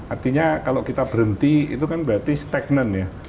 artinya kalau kita berhenti itu kan berarti stagnan ya